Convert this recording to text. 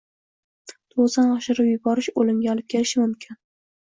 Dozani oshirib yuborish oʻlimga olib kelishi mumkin.